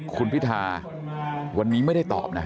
คุณพิธาวันนี้ไม่ได้ตอบนะ